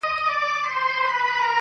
په کاشان کي به مي څه ښه په نصیب سي!.